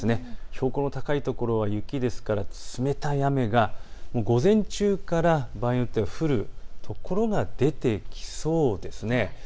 標高の高い所は雪ですから冷たい雨が午前中から場合によっては降る所が出てきそうですね。